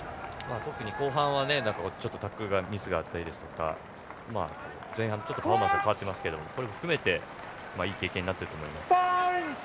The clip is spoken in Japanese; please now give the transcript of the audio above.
特に後半はタックルのミスがあったりとか前半とはちょっと変わっていますがこれも含めていい経験になっていると思います。